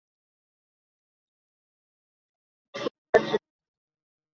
锥序丁公藤是旋花科丁公藤属的植物。